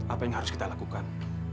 apa yang harus kita lakukan